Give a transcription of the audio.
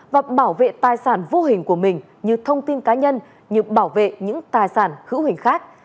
và bảo vệ tài sản vô hình của mình như thông tin cá nhân như bảo vệ những tài sản hữu hình khác